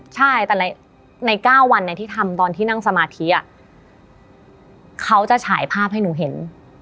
ใช่แต่ใน๙วันที่ทำตอนที่นั่งสมาธิเขาจะฉายภาพให้หนูเห็น